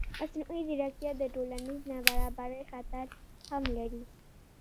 مصنوعي ځیرکتیا د ټولنیز نابرابرۍ خطر هم لري.